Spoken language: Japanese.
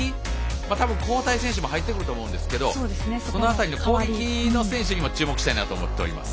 多分、交代選手も入ってくると思うんですけどその辺り、攻撃の選手にも注目したいなと思っています。